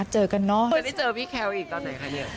เธอจะมานี่เจอกับพี่เคลลี่อีกต่อไหนคะเนี่ย